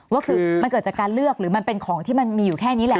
ว่าคือมันเกิดจากการเลือกหรือมันเป็นของที่มันมีอยู่แค่นี้แหละ